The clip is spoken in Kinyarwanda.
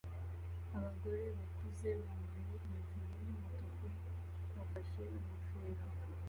abagore bakuze bambaye hejuru yumutuku bafashe ingofero